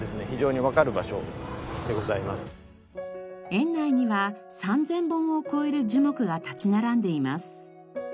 園内には３０００本を超える樹木が立ち並んでいます。